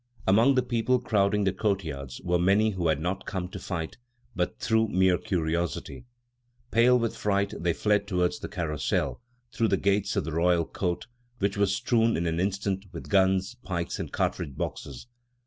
Among the people crowding the courtyards were many who had not come to fight, but through mere curiosity. Pale with fright, they fled toward the Carrousel through the gate of the Royal Court, which was strewn in an instant with guns, pikes, and cartridge boxes.